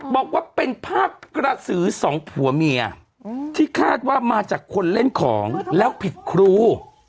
บอกว่าเป็นภาพกระสือสองผัวเมียที่คาดว่ามาจากคนเล่นของแล้วผิดครู